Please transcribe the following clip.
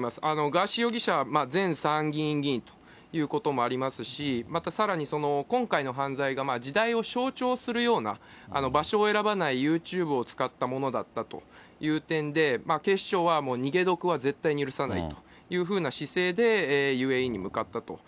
ガーシー容疑者は前参議院議員ということもありますし、またさらに、今回の犯罪が時代を象徴するような、場所を選ばないユーチューブを使ったものだったという点で、警視庁は逃げ得は絶対に許さないというふうな姿勢でＵＡＥに向かったと。